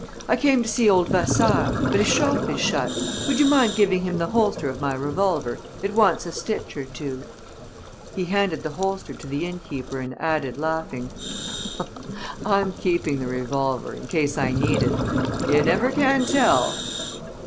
I came to see old Vasseur. But his shop is shut. Would you mind giving him the holster of my revolver? It wants a stitch or two.' "He handed the holster to the inn keeper and added, laughing: "'I'm keeping the revolver, in case I need it. You never can tell!'